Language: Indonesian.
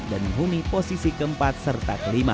dan menghuni posisi keempat serta kelima